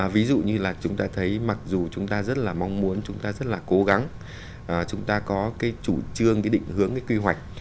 ví dụ như là chúng ta thấy mặc dù chúng ta rất là mong muốn chúng ta rất là cố gắng chúng ta có cái chủ trương cái định hướng cái quy hoạch